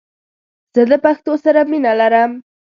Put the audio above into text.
زه د پښتو سره مینه لرم🇦🇫❤️